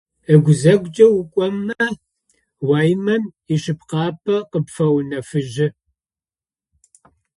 Чылэм ыгузэгукӏэ укӏомэ уаимэм ишъыпкъапӏэ къыпфэунэфыжьы.